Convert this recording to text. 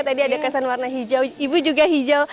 tadi ada kesan warna hijau ibu juga hijau